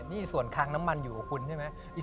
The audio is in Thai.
นี่ส่วนคางน้ำมันอยู่กับคุณใช่ไหม